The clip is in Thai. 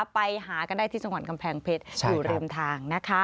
ไปหากันได้ที่จังหวัดกำแพงเพชรอยู่ริมทางนะคะ